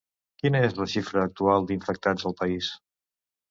Quina és la xifra actual d'infectats al país?